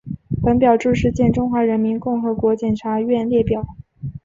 本表注释见中华人民共和国检察院列表。